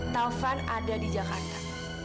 taufan ada di jakarta